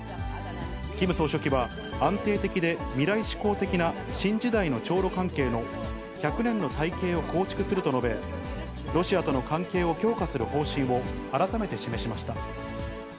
キム総書記は、安定的で未来志向的な新時代の朝ロ関係の１００年の大計を構築すると述べ、ロシアとの関係を強化する方針を改めて示しました。